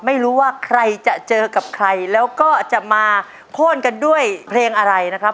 ไม่รู้ว่าใครจะเจอกับใครแล้วก็จะมาโค้นกันด้วยเพลงอะไรนะครับ